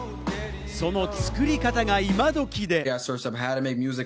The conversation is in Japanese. その作り方がいまどきで。